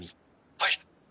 はい。